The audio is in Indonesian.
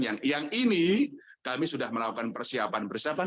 yang ini kami sudah melakukan persiapan persiapan